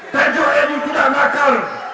tejo edy tidak makar